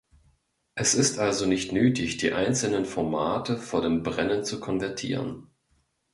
Es ist also nicht nötig, die einzelnen Formate vor dem Brennen zu konvertieren.